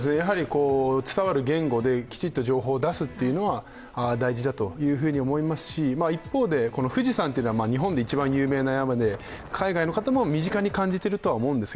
伝わる言語できちっと情報を出すのは大事だと思いますし、一方で、富士山というのは日本で一番有名な山で海外の方も身近に感じているとは思うんです。